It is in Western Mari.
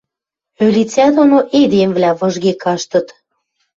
Ӧлицӓ доно эдемвлӓ выжге каштыт.